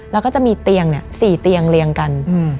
แล้วก็จะมีเตียง๔เตียงเรียงกัน